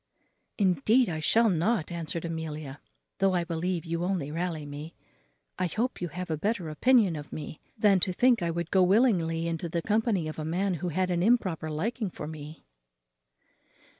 "Indeed I shall not," answered Amelia, "though I believe you only rally me; I hope you have a better opinion of me than to think I would go willingly into the company of a man who had an improper liking for me."